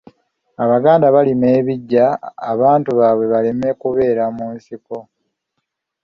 Abaganda barima ebiggya abantu baabwe baleme kubeera mu nsiko.